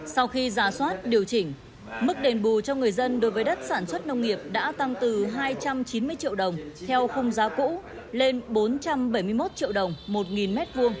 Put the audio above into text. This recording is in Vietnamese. sau khi giả soát điều chỉnh mức đền bù cho người dân đối với đất sản xuất nông nghiệp đã tăng từ hai trăm chín mươi triệu đồng theo khung giá cũ lên bốn trăm bảy mươi một triệu đồng một m hai